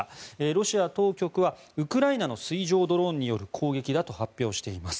ロシア当局はウクライナの水上ドローンによる攻撃だと発表しています。